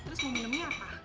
terus mau minumnya apa